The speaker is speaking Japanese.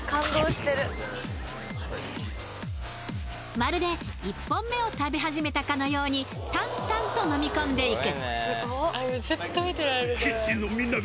まるで１本目を食べ始めたかのように淡々と飲み込んでいく